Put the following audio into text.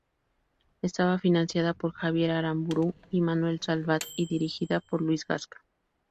Estaba financiada por Javier Aramburu y Manuel Salvat, y dirigida por Luis Gasca.